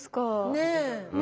ねえ。